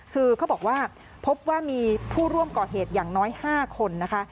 คือเขาบอกว่าพบว่ามีผู้ร่วมก่อเหตุอย่างน้อย๕คนนะคะ